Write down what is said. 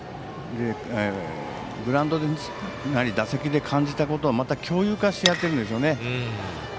グラウンドなり打席で感じたことをまた共有してやってるんですよね。